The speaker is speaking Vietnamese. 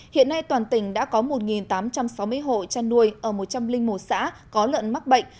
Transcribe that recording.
hiện nay toàn tỉnh đã có một tám trăm sáu mươi hộ chăn nuôi ở một trăm linh một xã có lợn mắc bệnh